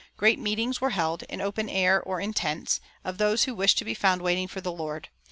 Great meetings were held, in the open air or in tents, of those who wished to be found waiting for the Lord.